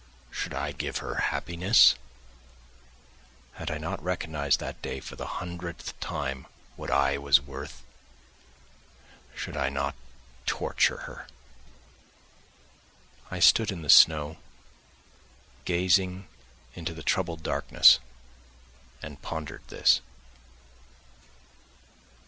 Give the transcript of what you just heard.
Should I give her happiness? Had I not recognised that day, for the hundredth time, what I was worth? Should I not torture her? I stood in the snow, gazing into the troubled darkness and pondered this.